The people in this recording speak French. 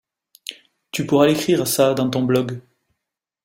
Tu pourras l’écrire, ça, dans ton blog.